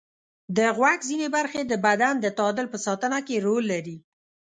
د غوږ ځینې برخې د بدن د تعادل په ساتنه کې رول لري.